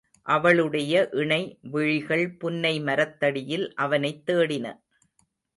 அவளுடைய இணை விழிகள் புன்னை மரத்தடியில் அவனைத் தேடின.